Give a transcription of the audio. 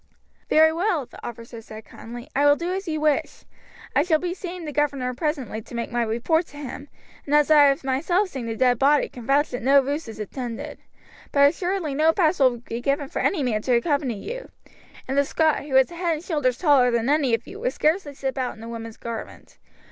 "Very well," the officer said kindly, "I will do as you wish. I shall be seeing the governor presently to make my report to him; and as I have myself seen the dead body can vouch that no ruse is intended. But assuredly no pass will be given for any man to accompany you; and the Scot, who is a head and shoulders taller than any of you, would scarcely slip out in a woman's garment.